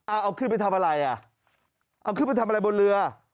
เอาเอาขึ้นไปทำอะไรอ่ะเอาขึ้นไปทำอะไรบนเรือ